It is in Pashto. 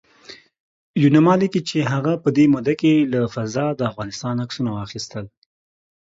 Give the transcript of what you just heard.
یوناما لیکلي چې هغه په دې موده کې له فضا د افغانستان عکسونه واخیستل